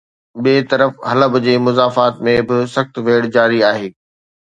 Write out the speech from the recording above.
ٻئي طرف حلب جي مضافات ۾ به سخت ويڙهه جاري آهي